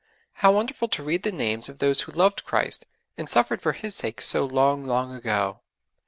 How wonderful to read the names of those who loved Christ and suffered for His sake so long, long ago!